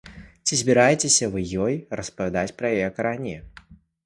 Ці збіраецеся вы ёй распавядаць пра яе карані?